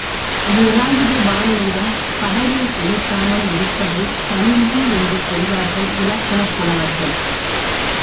நிராயுதபாணியிடம் படையைச் செலுத்தாமல் இருப்பதைத் தழிஞ்சி என்று சொல்வார்கள் இலக்கணப் புலவர்கள்.